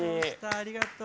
ありがとう！